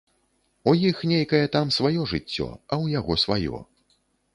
У іх нейкае там сваё жыццё, а ў яго сваё.